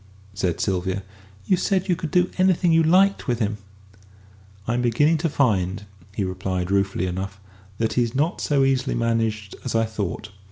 said Sylvia; "you said you could do anything you liked with him." "I'm beginning to find," he replied, ruefully enough, "that he's not so easily managed as I thought.